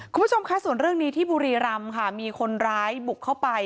คุณผู้ชมค่ะส่วนเรื่องนี้ที่บุรีรำค่ะมีคนร้ายบุกเข้าไป